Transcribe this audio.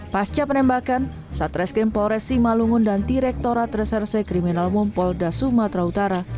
pasca penembakan satreskrim polres simalungun dan direkturat reserse kriminal mumpolda sumatera utara